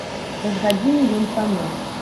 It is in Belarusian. Праз гадзіну ён памёр.